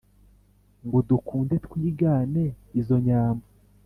Ngo dukunde twigane izo nyambo